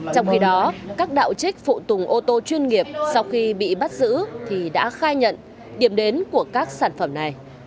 trong khi đó các đạo trích phụ tùng ô tô chuyên nghiệp sau khi bị bắt giữ thì đã khai nhận điểm đến của các sản phẩm này